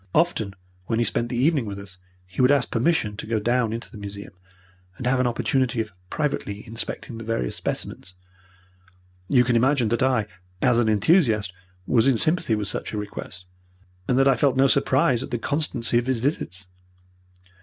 Often when he spent the evening with us he would ask permission to go down into the museum and have an opportunity of privately inspecting the various specimens. You can imagine that I, as an enthusiast, was in sympathy with such a request, and that I felt no surprise at the constancy of his visits.